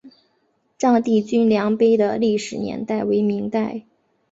丈地均粮碑的历史年代为明代。